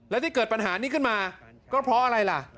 แล้วที่เกิดปัญหานี้ขึ้นมาก็เพราะอะไรล่ะ